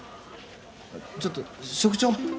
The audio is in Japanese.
あっちょっと職長。